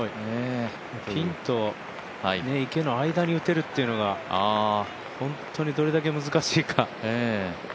ピンと池の間に打てるっていうのが本当にどれだけ難しいか。